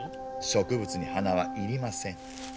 植物に鼻は要りません。